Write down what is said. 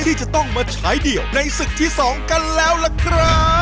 ที่จะต้องมาฉายเดี่ยวในศึกที่๒กันแล้วล่ะครับ